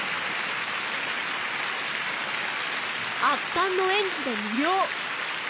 圧巻の演技で魅了！